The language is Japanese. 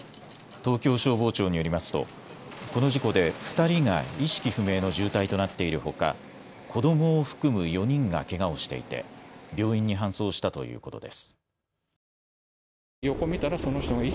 東京消防庁によりますとこの事故で２人が意識不明の重体となっているほか、子どもを含む４人がけがをしていて病院に搬送したということです。